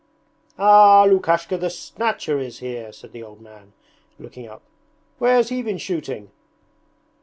'Ah! Lukashka the Snatcher is here!' said the old man, looking up. 'Where has he been shooting?'